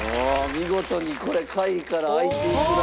見事にこれ下位から開いていくなあ。